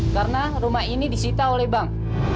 karena rumah ini disita oleh bank